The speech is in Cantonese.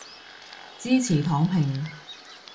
支持躺平